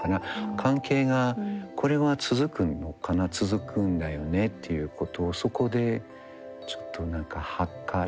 関係がこれは続くのかな続くんだよねっていうことをそこでちょっと何かはかる。